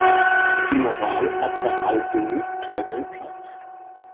Die Moral hat bei alledem keinen Platz.